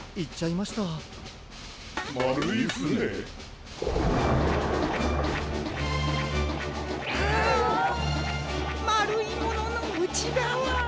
まるいもののうちがわ。